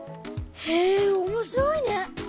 へえおもしろいね。